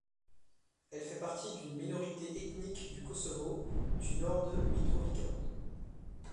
Elle fait partie d'une minorité ethnique du Kosovo, du nord de Mitrovica.